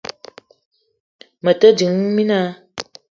Me te ding, mina